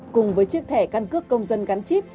cùng với chiếc thẻ căn cước công dân gắn chip